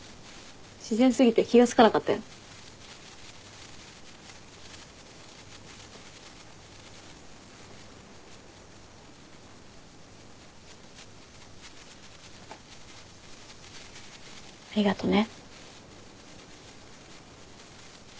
自然すぎて気が付かなかったよ。ありがとね。